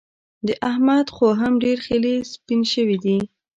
د احمد خو هم ډېر خلي سپين شوي دي.